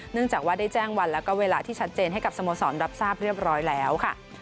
จากว่าได้แจ้งวันแล้วก็เวลาที่ชัดเจนให้กับสโมสรรับทราบเรียบร้อยแล้วค่ะ